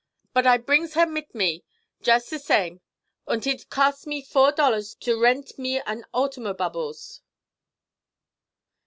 "Bud I brings her mit me, yust de same, unt id costs me four dollars to rendt me an automobubbles."